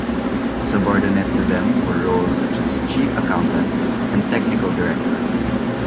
Subordinate to them were roles such as "Chief Accountant" and "Technical Director".